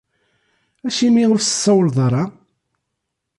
Acimi ur as-tsawleḍ ara?